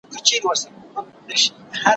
دا جواب ورکول له هغه مهم دي؟!